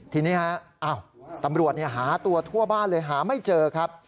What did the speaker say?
ทีนี้ฮะตำรวจหาตัวทั่วบ้านเลยหาไม่เจอครับ